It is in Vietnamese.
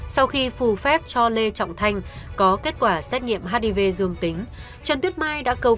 sau khi phù phép cho lê trọng thanh có kết quả xét nghiệm hiv dương tính trần tuyết mai đã câu